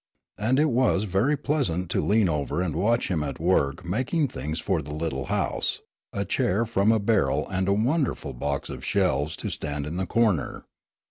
And it was very pleasant to lean over and watch him at work making things for the little house a chair from a barrel and a wonderful box of shelves to stand in the corner.